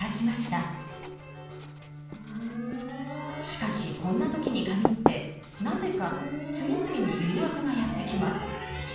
しかしこんな時に限ってなぜか次々に誘惑がやって来ます。